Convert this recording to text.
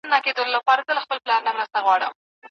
هغه زده کوونکی چي احساساتي وي ښه څېړنه نسي کولای.